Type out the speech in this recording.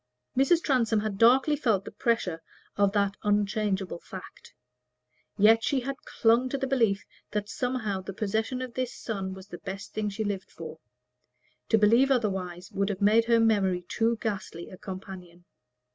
Mrs. Transome had darkly felt the pressure of that unchangeable fact. Yet she had clung to the belief that somehow the possession of this son was the best thing she lived for; to believe otherwise would have made her memory too ghastly a companion.